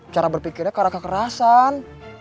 cara berpikirnya karna kekerasan